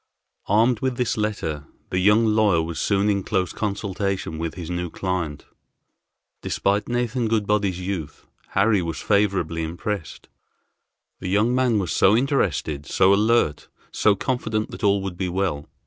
Armed with this letter the young lawyer was soon in close consultation with his new client. Despite Nathan Goodbody's youth Harry was favorably impressed. The young man was so interested, so alert, so confident that all would be well.